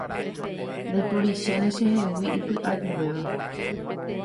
Ndaiporichéne chehegui ipy'ajuvéva.